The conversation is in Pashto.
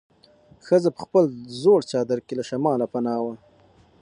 ښځه په خپل زوړ چادر کې له شماله پناه وه.